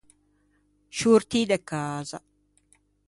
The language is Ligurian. Sciortî de casa.